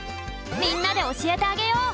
みんなでおしえてあげよう！